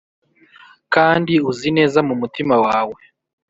Kandi uzi neza mu mutima wawe